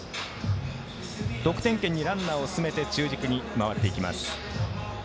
得点圏にランナーを進めて中軸に回っていきます。